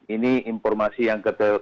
ini informasi yang ketiga